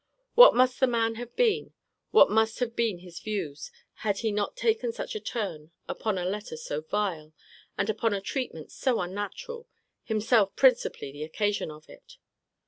What must the man have been, what must have been his views, had he not taken such a turn, upon a letter so vile, and upon a treatment so unnatural, himself principally the occasion of it?